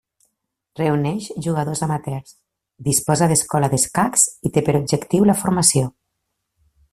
Reuneix jugadors amateurs, disposa d'escola d'escacs i té per objectiu la formació.